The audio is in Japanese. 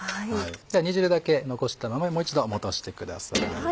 煮汁だけ残したままもう一度戻してください。